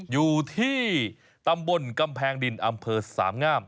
อยู่ที่ตำบลกำแพงดินอำเภอสามงาม